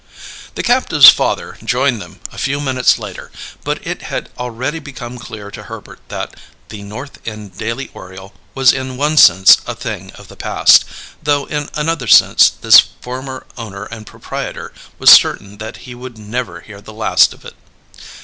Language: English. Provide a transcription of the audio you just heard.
The captive's father joined them, a few minutes later, but it had already become clear to Herbert that The North End Daily Oriole was in one sense a thing of the past, though in another sense this former owner and proprietor was certain that he would never hear the last of it.